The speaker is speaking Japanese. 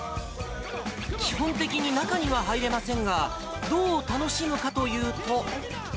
基本的に中には入れませんが、どう楽しむかというと。